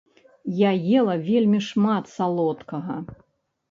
Я ела вельмі шмат салодкага!